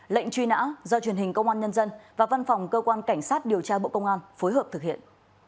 lệnh truy nã do truyền hình công an nhân dân và văn phòng cơ quan cảnh sát điều tra bộ công an phối hợp thực hiện